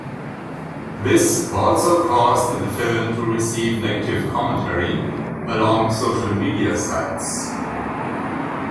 This also caused the film to receive negative commentary along social media sites.